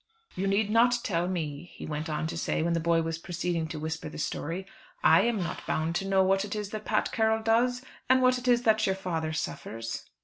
"You need not tell me," he went on to say when the boy was proceeding to whisper the story, "I am not bound to know what it is that Pat Carroll does, and what it is that your father suffers.